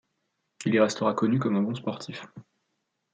Il y restera connu comme un bon sportif.